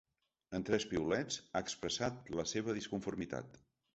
En tres piulets, ha expressat la seva disconformitat.